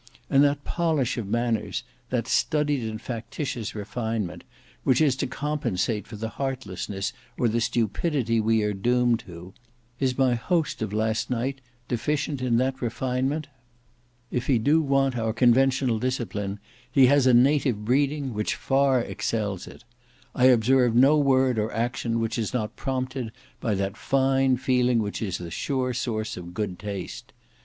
And that polish of manners, that studied and factitious refinement, which is to compensate for the heartlessness or the stupidity we are doomed to—is my host of last night deficient in that refinement? If he do want our conventional discipline, he has a native breeding which far excels it. I observe no word or action which is not prompted by that fine feeling which is the sure source of good taste.